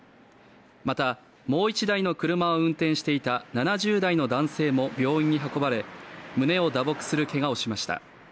また、もう１台の車を運転していた７０代の男性も病院に運ばれ胸を打撲するけがをしました。